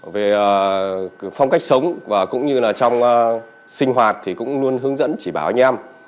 về phong cách sống và cũng như là trong sinh hoạt thì cũng luôn hướng dẫn chỉ bảo anh em